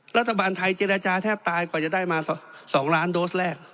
รัฐบาลไทยเจรจาแทบตายกว่าจะได้มา๒ล้านโดสแรก